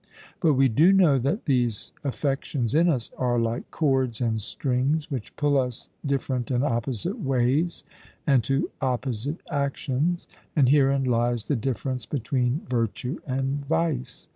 But we do know, that these affections in us are like cords and strings, which pull us different and opposite ways, and to opposite actions; and herein lies the difference between virtue and vice.